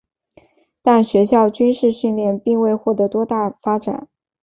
但学校军事训练并未获得多大发展。